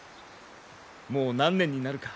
もう何年になるか。